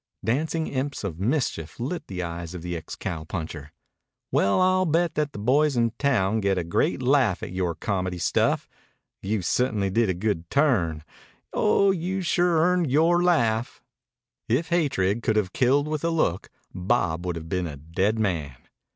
Dancing imps of mischief lit the eyes of the ex cowpuncher. "Well, I'll bet the boys in town get a great laugh at yore comedy stuff. You ce'tainly did a good turn. Oh, you've sure earned yore laugh." If hatred could have killed with a look Bob would have been a dead man.